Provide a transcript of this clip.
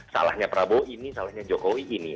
salahnya prabowo ini salahnya jokowi ini